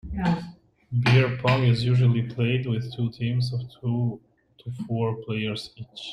Beer pong is usually played with two teams of two to four players each.